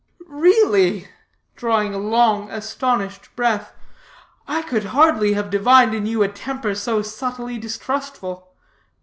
"Really?" drawing a long, astonished breath, "I could hardly have divined in you a temper so subtlely distrustful.